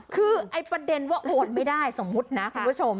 คือไอ้ประเด็นว่าโอนไม่ได้สมมุตินะคุณผู้ชม